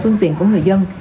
phương tiện của người dân